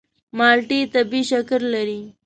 مالټې طبیعي شکر لري.